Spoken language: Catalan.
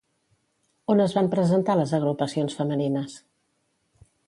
On es van presentar les Agrupacions Femenines?